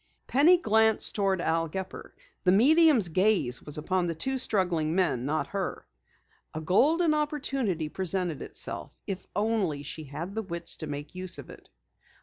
Penny glanced toward Al Gepper. The medium's gaze was upon the two struggling men, not her. A golden opportunity presented itself, if only she had the wits to make use of it.